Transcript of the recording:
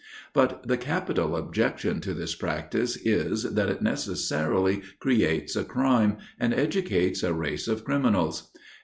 But the capital objection to this practice is, that it necessarily creates a crime, and educates a race of criminals.